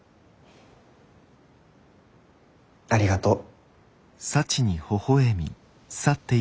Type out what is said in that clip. ありがとう。